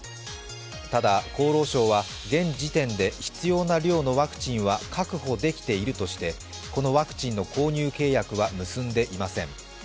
ただ、厚労省は現時点で必要な量のワクチンは確保できているとしてこのワクチンの購入契約は結んでいません。